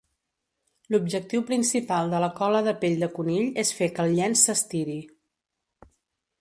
L'objectiu principal de la cola de pell de conill és fer que el llenç s'estiri.